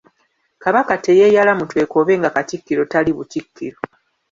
Kabaka teyeyala mu twekobe nga Katikkiro tali butikkiro.